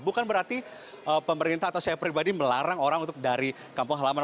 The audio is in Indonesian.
bukan berarti pemerintah atau saya pribadi melarang orang untuk dari kampung halaman